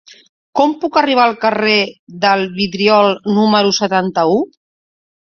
Com puc arribar al carrer del Vidriol número setanta-u?